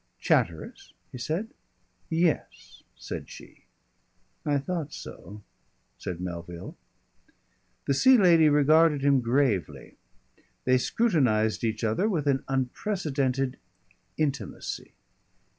"Chatteris?" he said. "Yes," said she. "I thought so," said Melville. The Sea Lady regarded him gravely. They scrutinised each other with an unprecedented intimacy.